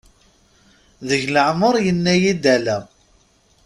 Deg leɛmer yenna-iy-d ala.